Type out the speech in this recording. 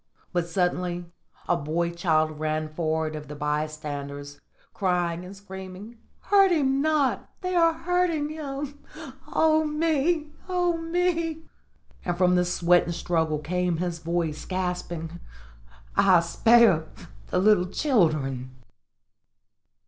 But suddenly a boy child ran forward of the bystanders, crying and screaming, "Hurt him not! They are hurting him oh, me! oh, me!" And from the sweat and struggle came his voice, gasping, "I spare the little children!"